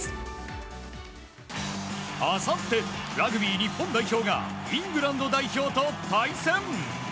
あさって、ラグビー日本代表がイングランド代表と対戦。